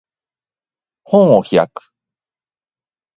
本を開く